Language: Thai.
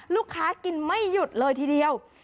ลูกค้ากินไม่หยุดเลยทีเดียว